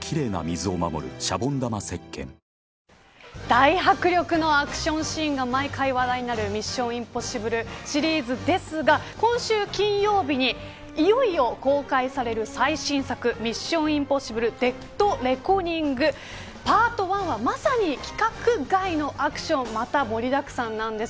大迫力のアクションシーンが毎回話題になるミッション：インポッシブルシリーズですが今週金曜日にいよいよ公開される最新作ミッション：インポッシブルデッドレコニングＰＡＲＴＯＮＥはまさに規格外のアクションがまた盛り沢山なんです。